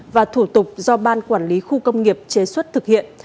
và thủ tục do ban quản lý khu công nghiệp chế xuất thực hiện